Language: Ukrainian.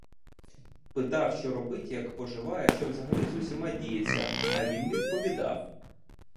Питав, що робить, як поживає, що взагалі з усіма діється, а він відповідав.